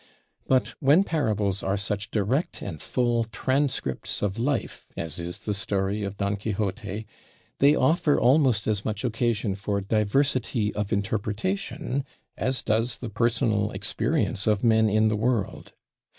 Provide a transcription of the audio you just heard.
But when parables are such direct and full transcripts of life as is the story of Don Quixote, they offer almost as much occasion for diversity of interpretation as does the personal experience of men in the world.